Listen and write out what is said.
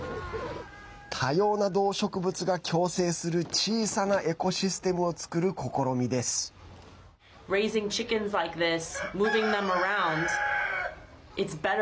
多様な動植物が共生する小さなエコシステムを作る試みです。